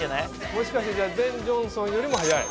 もしかしてじゃあベン・ジョンソンよりも速い？